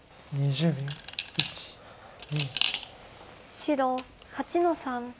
白８の三。